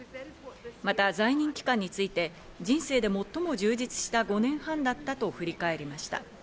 また在任期間について人生で最も充実した５年半だったと振り返りました。